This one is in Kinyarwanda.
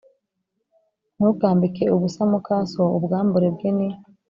Ntukambike ubusa muka so Ubwambure bwe ni